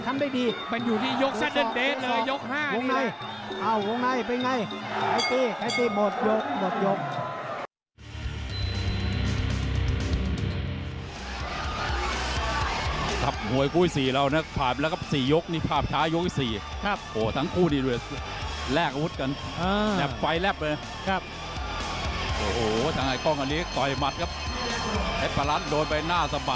มันนี่ต้องมาตัดสินที่เปลี่ยงยกสุดท้ายแล้วนะ